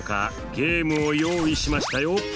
ゲームを用意しましたよ。